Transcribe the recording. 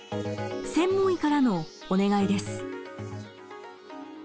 専門医からのお願いです。